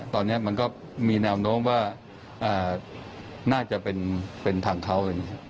ตอนนี้มันก็มีแนวโน้มว่าน่าจะเป็นทางเขาเอง